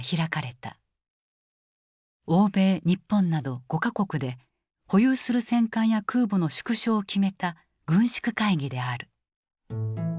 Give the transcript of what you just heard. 欧米日本など５か国で保有する戦艦や空母の縮小を決めた軍縮会議である。